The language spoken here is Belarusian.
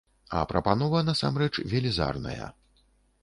А прапанова насамрэч велізарная.